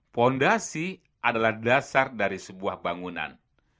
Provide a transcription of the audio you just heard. fondasi adalah dasar dari sebuah bangunan